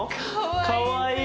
かわいい！